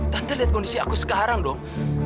tante liat kondisi aku sekarang dong